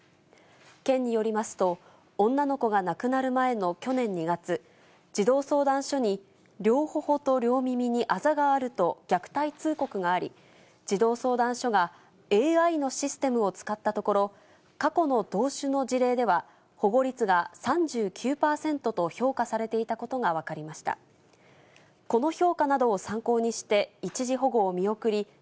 県によりますと、女の子が亡くなる前の去年２月、児童相談所に両ほおと両耳にあざがあると、虐待通告があり、児童相談所がＡＩのシステムを使ったところ、過去の同種の事例では保護率が３９％と評価されていたことが分全国の皆さん、こんにちは。